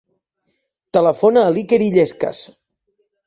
Telefona a l'Iker Illescas.